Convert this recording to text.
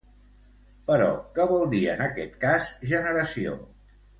Però, què vol dir en aquest cas “generació”?